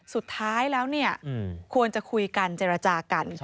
สุดท้ายแล้วเนี่ยควรจะคุยกันเจรจากัน